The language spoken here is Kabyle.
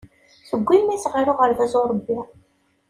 Tewwi mmi-s ɣer uɣerbaz uṛebbi.